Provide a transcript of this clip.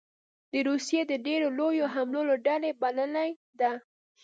د روسیې د ډېرو لویو حملو له ډلې بللې ده